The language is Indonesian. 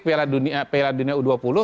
piala dunia u dua puluh